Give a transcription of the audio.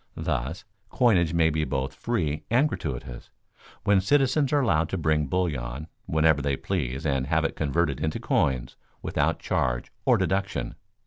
Thus, coinage may be both free and gratuitous, when citizens are allowed to bring bullion whenever they please and have it converted into coins without charge or deduction.